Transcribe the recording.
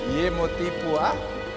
ye mau tipu ah